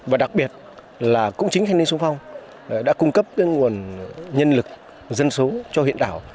và đặc biệt là cũng chính thanh niên sung phong đã cung cấp nguồn nhân lực dân số cho huyện đảo